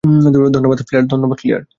ধন্যবাদ, ক্লেয়ার।